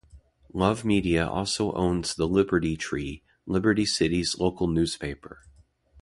Love Media also owns the "Liberty Tree", Liberty City's local newspaper.